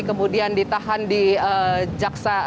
kemudian ditahan di jaksa